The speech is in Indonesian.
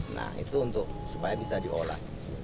nah itu untuk supaya bisa diolah